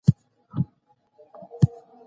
دویني ګروپ انسان ته د ځان پوهه ورکوي.